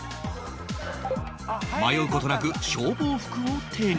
迷う事なく消防服を手に